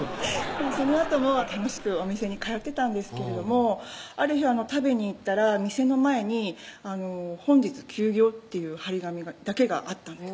そのあとも楽しくお店に通ってたんですけれどもある日食べに行ったら店の前に「本日休業」っていう貼り紙だけがあったんです